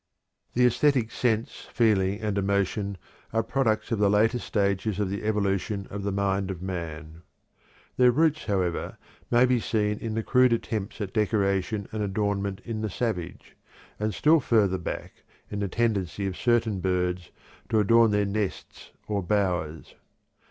The æsthetic sense, feeling, and emotion are products of the later stages of the evolution of the mind of man. Their roots, however, may be seen in the crude attempts at decoration and adornment in the savage, and still further back in the tendency of certain birds to adorn their nests or "bowers."